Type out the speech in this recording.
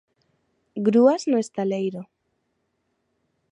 Grúas no estaleiro.